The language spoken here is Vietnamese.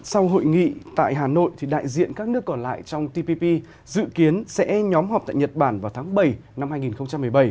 sau hội nghị tại hà nội đại diện các nước còn lại trong tpp dự kiến sẽ nhóm họp tại nhật bản vào tháng bảy năm hai nghìn một mươi bảy